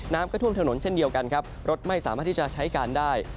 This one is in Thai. น้ำก็ท่วมถนนเช่นเดียวกันครับรถไม่สามารถที่จะใช้การได้